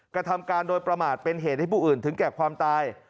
กระทำการโดยประมาทเป็นเหตุให้ผู้อื่นถึงแก่ความตาย